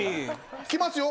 来ますよ？